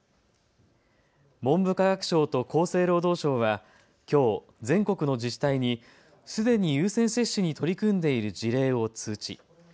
文部科学省と厚生労働省はきょう全国の自治体にすでに優先接種に取り組んでいる事例を通知。